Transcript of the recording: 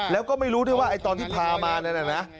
แล้วก็ไม่รู้ด้วยว่าไอ้ตอนที่พามานั่นน่ะนะ